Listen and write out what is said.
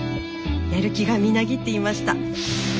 やる気がみなぎっていました。